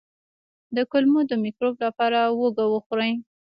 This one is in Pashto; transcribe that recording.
د کولمو د مکروب لپاره هوږه وخورئ